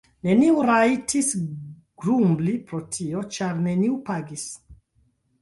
Neniu rajtis grumbli pro tio, ĉar neniu pagis.